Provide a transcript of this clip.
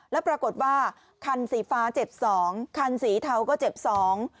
แล้วปรากฏว่าคันสีฟ้าเจ็บสองคันสีเทาก็เจ็บสอง